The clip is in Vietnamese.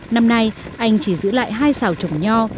năm nay anh chỉ giữ lại hai xào trồng nho